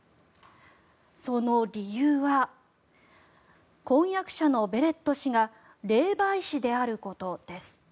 その理由は婚約者のベレット氏が霊媒師であることです。